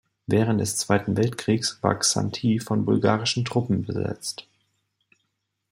Während des Zweiten Weltkriegs war Xanthi von bulgarischen Truppen besetzt.